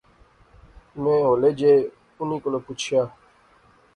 میں ہولے جئے انیں کولا پچھیا